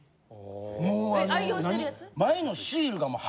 もう何？